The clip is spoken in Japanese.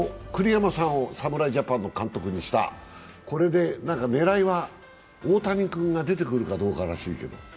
栗山さんを侍ジャパンの監督にした、これの狙いは大谷君が出てくるかどうからしいけど。